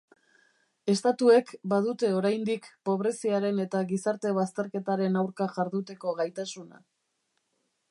Estatuek badute oraindik pobreziaren eta gizarte bazterketaren aurka jarduteko gaitasuna.